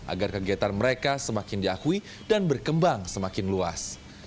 agar kegiatan mereka semakin diakui dan berkembang semakin luas